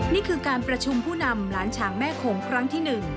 นี่คือการประชุมผู้นำล้านฉางแม่โขงครั้งที่๑